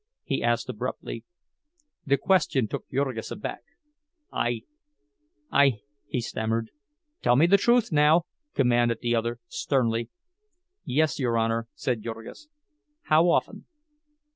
he asked abruptly. The question took Jurgis aback. "I—I—" he stammered. "Tell me the truth, now!" commanded the other, sternly. "Yes, your Honor," said Jurgis. "How often?"